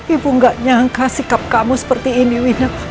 ibu gak nyangka sikap kamu seperti ini wina